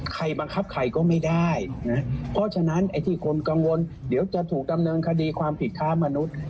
ใครบังคับใครก็ไม่ได้นะเพราะฉะนั้นไอ้ที่คนกังวลเดี๋ยวจะถูกดำเนินคดีความผิดค้ามนุษย์